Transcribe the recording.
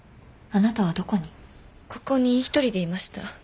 ここに一人でいました。